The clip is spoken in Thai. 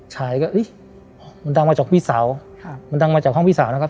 ชายก็มันดังมาจากพี่สาวมันดังมาจากห้องพี่สาวนะครับ